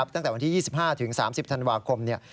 ตั้งแต่วันที่๒๕๓๐ธันวาคม